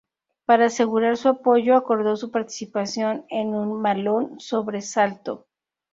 Para asegurar su apoyo, acordó su participación en un malón sobre Salto.